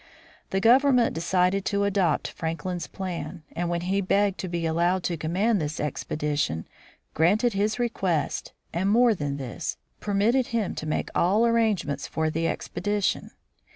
The gov ernment decided to adopt Franklin's plan, and when he begged to be allowed to command this expedition, granted his request, and more than this, permitted him to make all arrangements for the expedition.